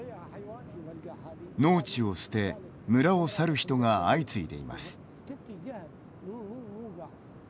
農地を捨て村を去る人が相次いでいます。